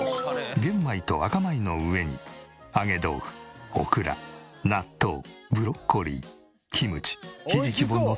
玄米と赤米の上に揚げ豆腐オクラ納豆ブロッコリーキムチひじきをのせた。